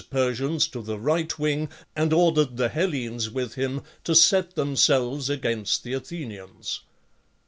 Persians to the right wing, and ordered the Hellenes with him to set themselves against the Athenians.